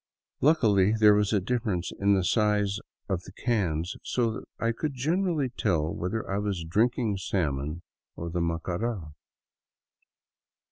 Luckily there was a difference in the size of the cans, so that I could generally tell whether I was drinking salmon or the Macara.